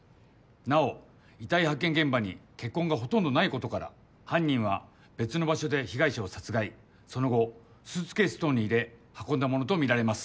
なお遺体発見現場に血痕がほとんどないことから犯人は別の場所で被害者を殺害その後スーツケース等に入れ運んだものとみられます。